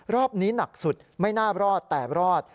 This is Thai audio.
รอบนี้หนักสุดไม่น่ารอดแต่รอด